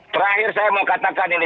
terakhir saya mau katakan ini